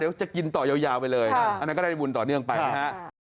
จะกินต่อยาวไปเลยอันนั้นก็ได้บุญต่อเนื่องไปนะฮะ